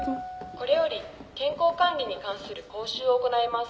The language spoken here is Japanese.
これより健康管理に関する講習を行います。